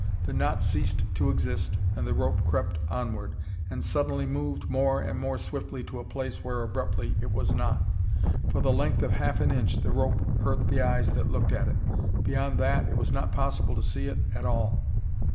The knot ceased to exist and the rope crept onward and suddenly moved more and more swiftly to a place where abruptly it was not. For the length of half an inch, the rope hurt the eyes that looked at it. Beyond that it was not possible to see it at all.